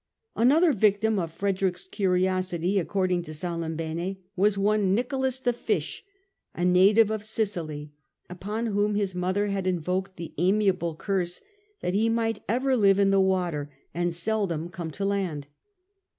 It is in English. Another victim of Frederick's curiosity, according to Salimbene, was one Nicholas the Fish, a native of Sicily, upon whom his mother had invoked the amiable curse that he might ever live in the water and seldom come to THE YEARS OF SOLACE 119 land.